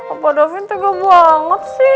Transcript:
apa daffy nge gembanget sih